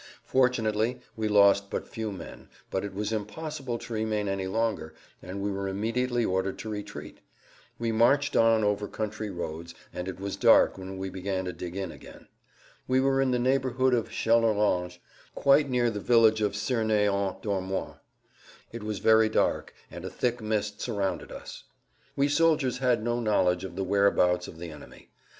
Fortunately we lost but few men, but it was impossible to remain any longer, and we were immediately ordered to retreat. We marched on over country roads, and it was dark when we began to dig in again. We were in the neighborhood of Challerange quite near the village of Cerney en Dormois. It was very dark and a thick mist surrounded us. We soldiers had no knowledge of the whereabouts of the enemy.